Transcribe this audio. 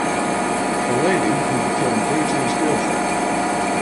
A lady who became Goto's girlfriend.